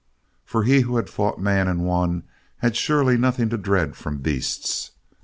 For he who had fought man, and won, had surely nothing to dread from beasts.